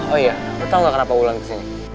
oh iya lo tau gak kenapa ulan kesini